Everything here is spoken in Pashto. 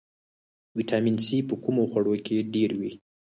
ویټامین سي په کومو خوړو کې ډیر وي